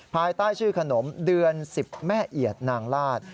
ภายใต้ชื่อขนมเดือน๑๐แม่เอียดนางลาด